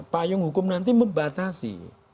payung hukum nanti membatasi